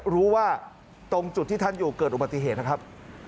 รู้ว่าตรงจุดที่ท่านอยู่เกิดอุบัติเหตุนะครับ